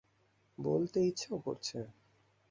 বলতে ইচ্ছাও করছে।